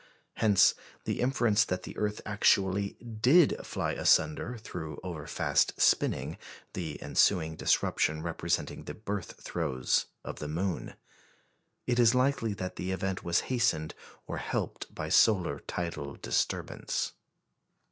Hence the inference that the earth actually did fly asunder through over fast spinning, the ensuing disruption representing the birth throes of the moon. It is likely that the event was hastened or helped by solar tidal disturbance.